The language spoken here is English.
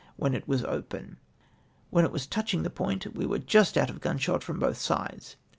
when it was open. When it was touch ing the point we were just out of gunshot feom both sides.